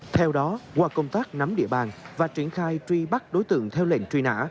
theo đó qua công tác nắm địa bàn và triển khai truy bắt đối tượng theo lệnh truy nã